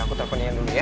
aku telepon iyan dulu ya